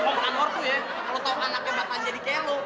om amor tuh ya kalo tau anaknya bakalan jadi kayak lo